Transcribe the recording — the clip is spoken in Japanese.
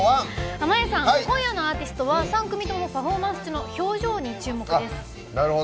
濱家さん、今夜のアーティストは、３組ともパフォーマンス中の表情に注目です。